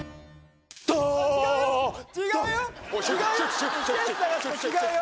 違うよ！